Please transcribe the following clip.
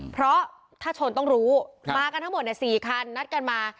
เพราะถ้าชนต้องรู้มากันทั้งหมด๔คันนัดกันมา